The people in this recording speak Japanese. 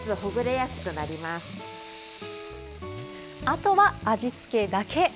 あとは味付けだけ。